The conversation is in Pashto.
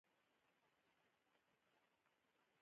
زه له خپل کار سره مینه لرم.